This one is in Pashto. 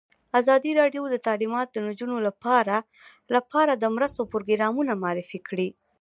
ازادي راډیو د تعلیمات د نجونو لپاره لپاره د مرستو پروګرامونه معرفي کړي.